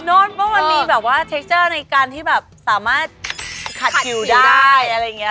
เพราะมันมีแบบว่าเทคเจอร์ในการที่แบบสามารถขัดคิวได้อะไรอย่างนี้